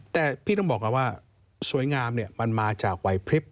แต่พี่ต้องบอกกันว่าสวยงามเนี่ยมันมาจากวัยพฤษ